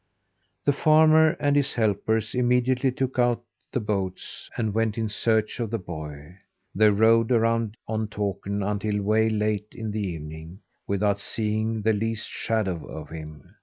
The farmer and his helpers immediately took out the boats and went in search of the boy. They rowed around on Takern until way late in the evening, without seeing the least shadow of him.